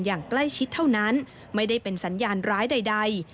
อย่างใกล้ชิดเท่านั้นไม่ได้เป็นสัญญาณร้ายใด